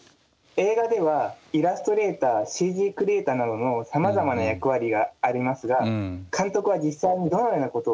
映画ではイラストレーターＣＧクリエーターなどのさまざまな役割がありますが監督は実際にどのようなことをしているのでしょうか？